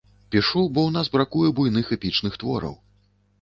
Пішу, бо ў нас бракуе буйных эпічных твораў.